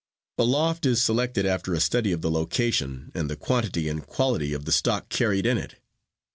"A loft is selected after a study of the location and the quantity and quality of the stock carried in it.